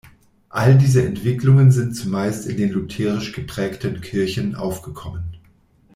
All diese Entwicklungen sind zumeist in den lutherisch geprägten Kirchen aufgekommen.